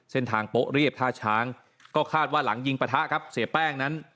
โป๊ะเรียบท่าช้างก็คาดว่าหลังยิงปะทะครับเสียแป้งนั้น